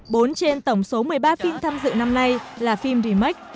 bốn trên tổng số một mươi ba phim tham dự năm nay là phim remec